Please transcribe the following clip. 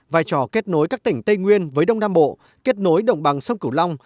vai trò kết nối các tỉnh tây nguyên với đông nam bộ kết nối đồng bằng sông cửu long